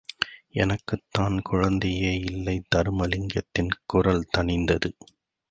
எனக்குத்தான் குழந்தையேயில்லை தருமலிங்கத்தின் குரல் தணிந்தது.